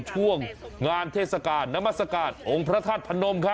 ช่วงงานเทศกาลน้ำมัศกาลองค์พระธาตุพนม